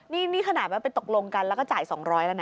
นี่ขนาดว่าไปตกลงกันแล้วก็จ่าย๒๐๐แล้วนะ